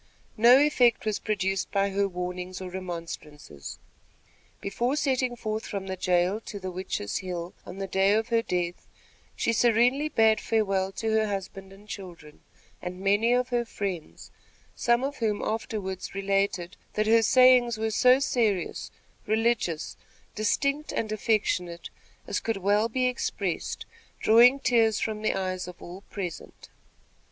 No effect was produced by her warnings or remonstrances. Before setting forth from the jail to the Witches' Hill on the day of her death, she serenely bade farewell to her husband and many children, and many of her friends, some of whom afterward related that "her sayings were so serious, religious, distinct and affectionate as could well be expressed, drawing tears from the eyes of all present."